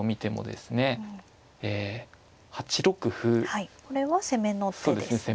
はいこれは攻めの手ですね。